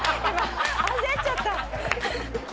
焦っちゃった。